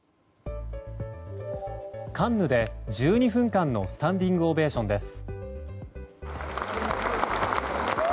カンヌで１２分間のスタンディングオベーションです。